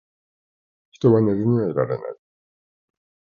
人は寝ずにはいられない